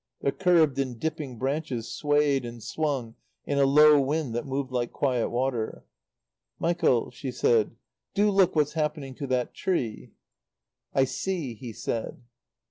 The curved and dipping branches swayed and swung in a low wind that moved like quiet water. "Michael," she said, "do look what's happening to that tree." "I see," he said.